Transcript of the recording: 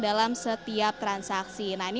dalam setiap transaksi nah ini